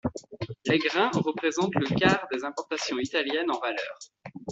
Les grains représentent le quart des importations italiennes en valeur.